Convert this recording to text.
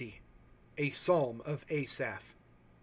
A Psalm of Asaph.